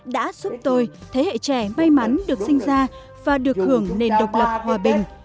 đã giúp tôi thế hệ trẻ may mắn được sinh ra và được hưởng nền độc lập hòa bình